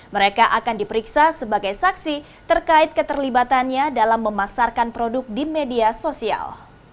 mereka akan diperiksa sebagai saksi terkait keterlibatannya dalam memasarkan produk di media sosial